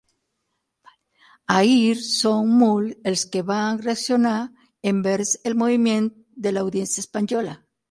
Ahir són molt els que van reaccionar envers el moviment de l’audiència espanyola.